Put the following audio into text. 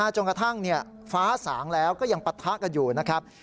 จนกระทั่งฟ้าสางแล้วก็ยังปะทะกันอยู่นะครับ